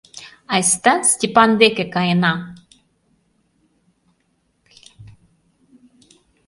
Айста, Степан деке каена!